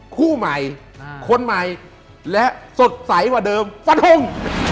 คู่ใหม่คนใหม่และสดใสกว่าเดิมฟันทง